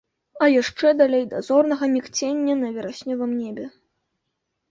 А яшчэ далей да зорнага мігцення на вераснёвым небе.